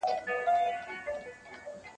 ملګري هم سر نه خلاصوي!.